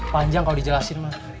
panjang kalo dijelasin mah